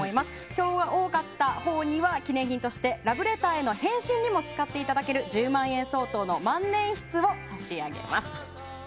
票が多かったほうには記念品としてラブレターへの返信にも使っていただける１０万円相当の万年筆を差し上げます。